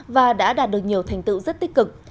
và đã đạt được nhiều thành tựu rất tích cực